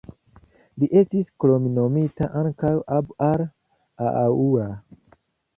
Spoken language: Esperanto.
Li estis kromnomita ankaŭ "Abu-al-Aaŭar".